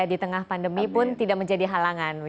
di tengah pandemi pun tidak menjadi halangan